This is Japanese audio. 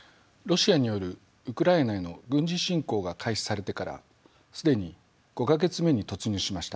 ロシアによるウクライナへの軍事侵攻が開始されてから既に５か月目に突入しました。